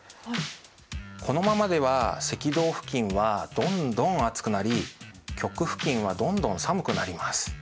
このままでは赤道付近はどんどん暑くなり極付近はどんどん寒くなります。